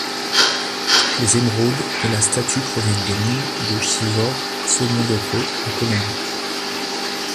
Toutes les émeraudes de la statue proviennent des mines de Chivor-Somondoco en Colombie.